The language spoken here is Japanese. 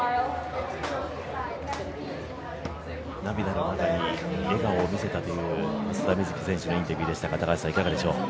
涙の中に笑顔を見せたという松田瑞生選手のインタビューでしたが、いかがですか。